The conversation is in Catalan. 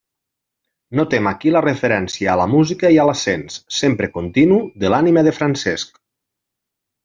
Notem aquí la referència a la música i a l'ascens, sempre continu, de l'ànima de Francesc.